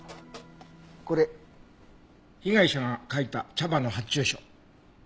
これ被害者が書いた茶葉の発注書。